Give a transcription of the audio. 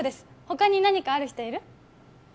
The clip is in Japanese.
他に何かある人いる？